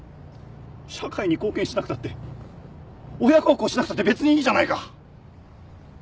社会に貢献しなくたって親孝行しなくたって別にいいじゃないか。